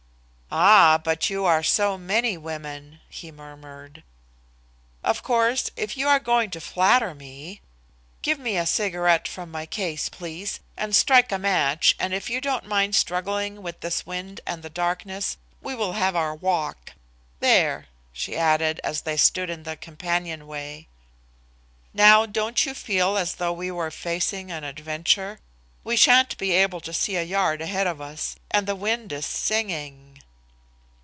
"Ah! but you are so many women," he murmured. "Of course, if you are going to flatter me! Give me a cigarette from my case, please, and strike a match, and if you don't mind struggling with this wind and the darkness, we will have our walk. There!" she added, as they stood in the companionway. "Now don't you feel as though we were facing an adventure? We shan't be able to see a yard ahead of us, and the wind is singing."